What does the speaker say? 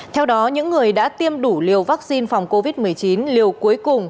theo đó những người đã tiêm đủ liều vaccine phòng covid một mươi chín liều cuối cùng